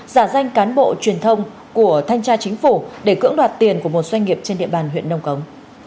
giả danh cán bộ truyền thông của thanh tra chính phủ để cưỡng đoạt tiền của một doanh nghiệp trên địa bàn huyện nông cống